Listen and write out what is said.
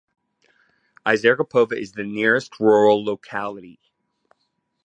Isergapovo is the nearest rural locality.